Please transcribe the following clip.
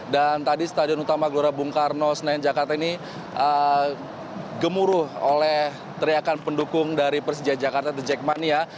dan tadi stadion utama gelora bung karno senayan jakarta ini gemuruh oleh teriakan pendukung dari persija jakarta the jackmania